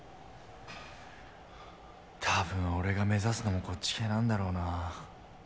多分俺が目指すのもこっち系なんだろうなぁ。